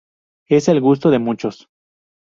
Es el gusto de muchos.